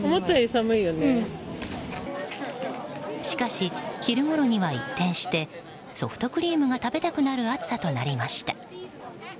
しかし、昼ごろには一転してソフトクリームが食べたくなる暑さとなりました。